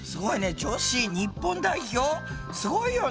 女子日本代表すごいよね。